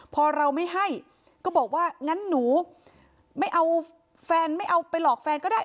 พอเราไม่ให้ก็บอกว่างั้นหนูไม่เอาแฟนไม่เอาไปหลอกแฟนก็ได้